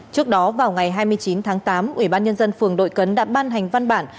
trước đó vào ngày hai mươi chín tháng tám ủy ban nhân dân phường đội cấn đã ban hành văn bản